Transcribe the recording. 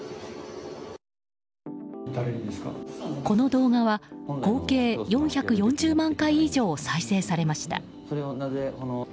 この動画は合計４４０万回以上再生されました。